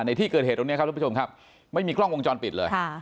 ในที่เกิดเหตุตรงนี้ครับทุกผู้ชมครับไม่มีกล้องวงจรปิดเลย